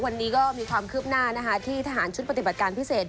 วันนี้ก็มีความคืบหน้านะคะที่ทหารชุดปฏิบัติการพิเศษ